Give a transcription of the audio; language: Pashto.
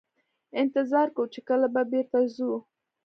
انتظار کوو چې کله به بیرته ځو.